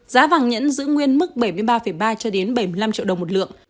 giá vàng nhẫn giữ nguyên mức bảy mươi ba ba bảy mươi năm triệu đồng một lượng